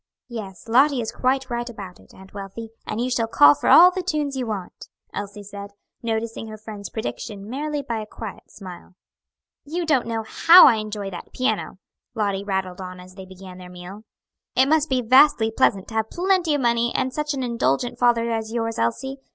"Yes, Lottie is quite right about it, Aunt Wealthy, and you shall call for all the tunes you want," Elsie said, noticing her friend's prediction merely by a quiet smile. "You don't know how I enjoy that piano," Lottie rattled on as they began their meal. "It must be vastly pleasant to have plenty of money and such an indulgent father as yours, Elsie.